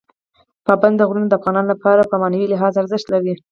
پابندي غرونه د افغانانو لپاره په معنوي لحاظ ارزښت لري.